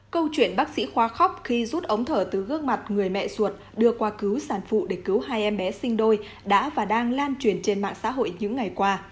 câu chuyện bác sĩ khoa khóc khi rút ống thở từ gương mặt người mẹ ruột đưa qua cứu sản phụ để cứu hai em bé sinh đôi đã và đang lan truyền trên mạng xã hội những ngày qua